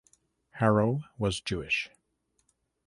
Harrow was Jewish.